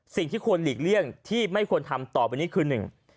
สิ่งที่ควรหลีกเลี่ยงที่ไม่ควรทำต่อไปนี้คือหนึ่ง